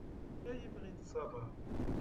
Ay imɣi n ṣṣaba.